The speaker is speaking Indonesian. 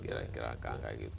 kira kira kagak gitu